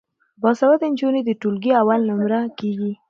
باسواده نجونې د ټولګي اول نمره کیږي.